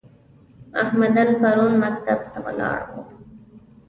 احمدن پرون مکتب ته لاړ و؟